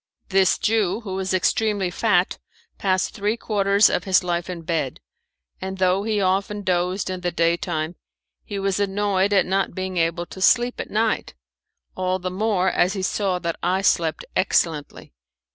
This Jew, who was extremely fat, passed three quarters of his life in bed; and though he often dozed in the daytime, he was annoyed at not being able to sleep at night all the more as he saw that I slept excellently.